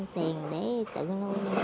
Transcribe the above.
tiền để tự nuôi